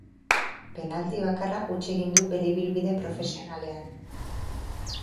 Penalti bakarra huts egin du bere ibilbide profesionalean.